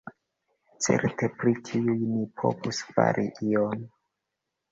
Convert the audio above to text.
Certe pri tiuj ni povus fari ion.